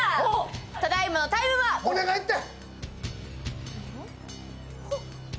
ただいまのタイムはお願いって！